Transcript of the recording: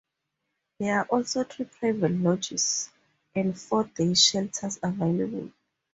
There are also three private lodges and four day shelters available.